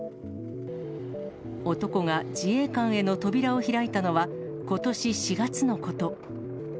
男が自衛官への扉を開いたのはことし４月のこと。